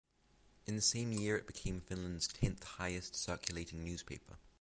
In the same year it became Finland's tenth highest circulating newspaper.